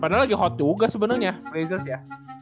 padahal lagi hot juga sebenernya blazers ya